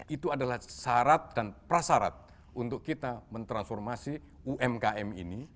itu adalah syarat dan prasarat untuk kita mentransformasi umkm ini